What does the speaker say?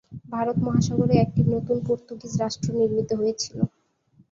ভারত মহাসাগরে একটি নতুন পর্তুগিজ রাষ্ট্র নির্মিত হয়েছিল।